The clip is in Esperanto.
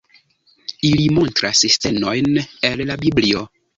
Ili montras scencojn el la Biblio.